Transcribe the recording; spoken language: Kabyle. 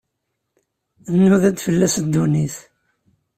Nnuda-d fell-as ddunit.